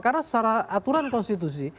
karena perusahaan konstitusi